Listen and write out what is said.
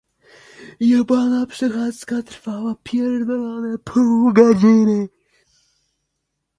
"Przechadzka trwa pół godziny."